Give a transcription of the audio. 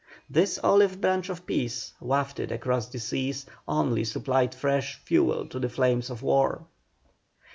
This olive branch of peace, wafted across the seas, only supplied fresh fuel to the flames of war.